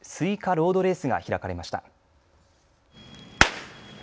ロードレースが開かれました。